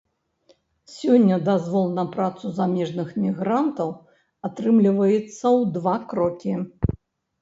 Сёння дазвол на працу замежных мігрантаў атрымліваецца ў два крокі.